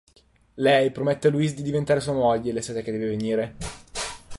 Lei promette a Louis di diventare sua moglie l'estate che deve venire.